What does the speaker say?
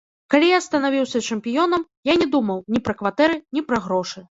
Калі я станавіўся чэмпіёнам, я не думаў ні пра кватэры, ні пра грошы.